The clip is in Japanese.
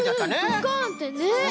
ドカンってね。